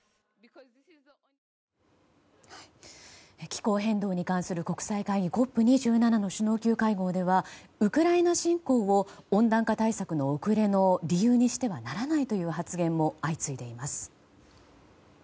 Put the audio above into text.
気候変動に関する国際会議・ＣＯＰ２７の首脳級会合ではウクライナ侵攻を温暖化対策の遅れの理由にしてはならないという発言も相次いでいます。